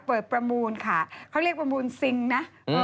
ประมูลค่ะเขาเรียกประมูลซิงนะ